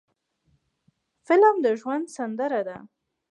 فلم د ژوند سندره ده